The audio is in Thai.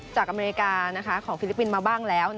อเมริกาของฟิลิปปินส์มาบ้างแล้ว